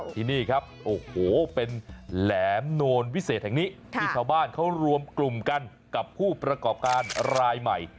ที่นี่ครับโอ้โหเป็นแหลมโนนวิเศษแห่งนี้ที่ชาวบ้านเขารวมกลุ่มกันกับผู้ประกอบการรายใหม่